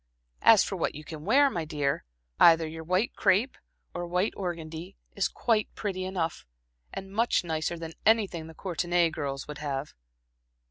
As for what you can wear, my dear either your white crepe or white organdie is quite pretty enough, and much nicer than anything the Courtenay girls would have."